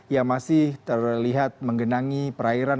yang masih terlihat menggenangi perairan